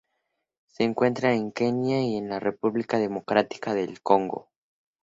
Se encuentra en Kenia y en la República Democrática del Congo.